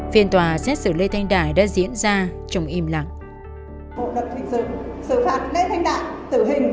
phiên tòa xét xử lê thanh đại đã diễn ra chống im lặng